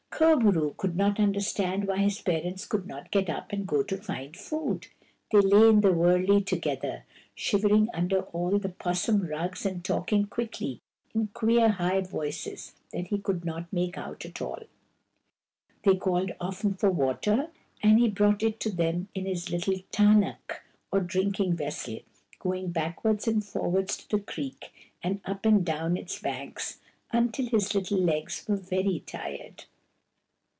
Kur bo roo could not understand why his parents could not get up and go to find food. They lay in the wurley together, shivering under all the 'possum rugs and talking quickly in queer, high voices that he could not make out at all. They called often for water, and he brought it to them in his little tarnuk, or drinking vessel, going back wards and forwards to the creek, and up and down its banks, until his little legs were very tired.